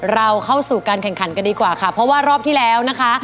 เราเข้าสู่การแข่งขันกันดีกว่าค่ะเพราะว่ารอบที่แล้วนะคะ